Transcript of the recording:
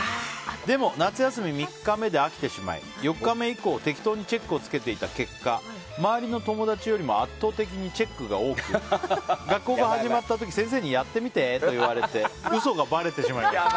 でも夏休み３日目で飽きてしまい、４日目以降適当にチェックを付けていた結果周りの友達よりも圧倒的にチェックが多く学校が始まった時先生にやってみてと言われて嘘がばれてしまいました。